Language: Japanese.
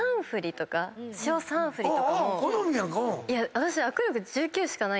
私。